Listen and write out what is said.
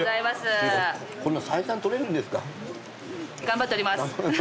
頑張っております。